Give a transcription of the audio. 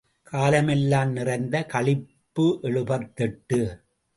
காலமெல்லாம் நிறைந்த களிப்பு எழுபத்தெட்டு.